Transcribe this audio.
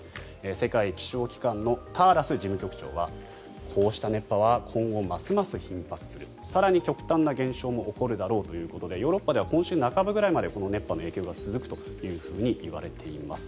世界気象機関のターラス事務局長はこうした熱波は今後ますます頻発する更に極端な現象も起こるだろうということでヨーロッパでは今週半ばぐらいまで熱波の影響が続くというふうにいわれています。